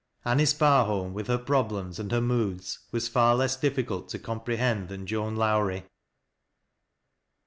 Anice Barholm, with bei problems and her moods, was far less difficult to comp.' e hend than Joan Lowrie.